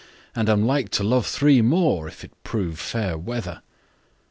And am like to love three more, If it prove fair weather.